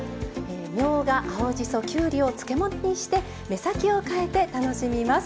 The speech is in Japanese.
みょうが青じそきゅうりを漬物にして目先を変えて楽しみます。